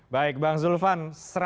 baik bang zulfan